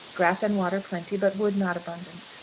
Grass and water plenty, but wood not abundant.